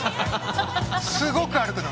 すごく歩くの！